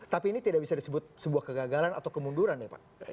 tapi ini tidak bisa disebut sebuah kegagalan atau kemunduran ya pak